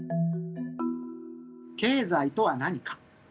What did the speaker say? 経済とは何か。